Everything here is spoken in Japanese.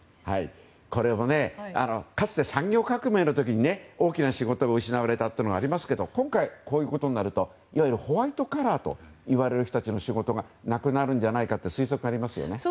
これはかつて産業革命の時に大きな仕事を失われたこともありましたが今回、こういうことになるといわゆるホワイトカラーという人たちの仕事がなくなるんじゃないかという推測がありますよね。